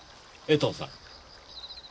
江藤さん。